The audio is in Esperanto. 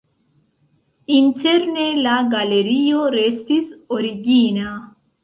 Interne la galerio restis origina.